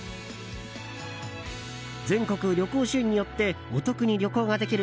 全国旅行支援によってお得に旅行ができる